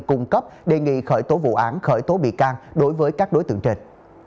cung cấp đề nghị khởi tố vụ án khởi tố bị can đối với các đối tượng trên